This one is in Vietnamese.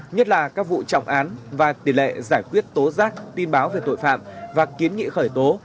nhất là các vụ trọng án và tỷ lệ giải quyết tố giác tin báo về tội phạm và kiến nghị khởi tố